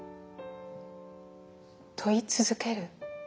問い続ける？